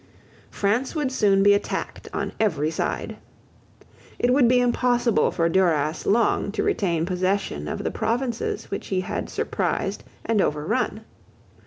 France would soon be attacked on every side. It would be impossible for Duras long to retain possession of the provinces which he had surprised and overrun.